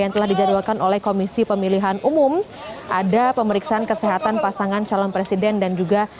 muhaymin iskandar kita nantikan bersama